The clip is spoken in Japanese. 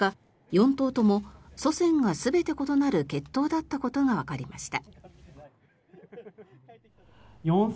４頭とも祖先が全て異なる血統だったことがわかりました。